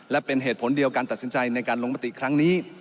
และเป็นเหตุผลเดียวการตัดสินใจในการลงมติครั้งนี้